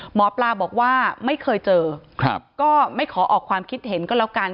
หมอปลาบอกว่าไม่เคยเจอก็ไม่ขอออกความคิดเห็นก็แล้วกัน